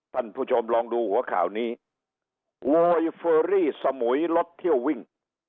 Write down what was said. ท่านผู้ชมลองดูหัวข่าวนี้โวยเฟอรี่สมุยรถเที่ยววิ่ง